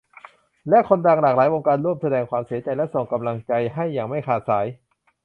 และคนดังหลากหลายวงการร่วมแสดงความเสียใจและส่งกำลังใจให้อย่างไม่ขาดสาย